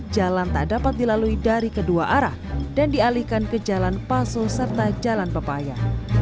jalan tak dapat dilalui dari kedua arah dan dialihkan ke jalan paso serta jalan pepaya